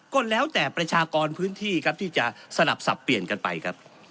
ก็แล้วแต่ประชากรพื้นที่ครับที่จะสลับสับเปลี่ยนกันไปครับ